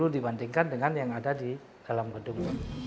lebih dulu dibandingkan dengan yang ada di dalam gedung